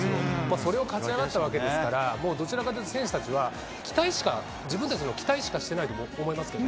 それを勝ち上がったわけですから、もうどちらかというと選手たちは、期待しか、自分たちの期待しかしてないと思いますけどね。